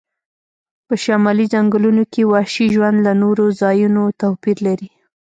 په شمالي ځنګلونو کې وحشي ژوند له نورو ځایونو توپیر لري